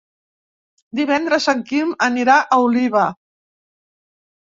Divendres en Quim anirà a Oliva.